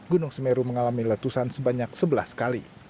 gunung semeru mengalami letusan sebanyak sebelas kali